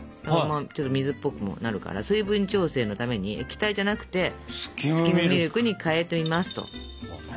ちょっと水っぽくもなるから水分調整のために液体じゃなくてスキムミルクに代えていますと。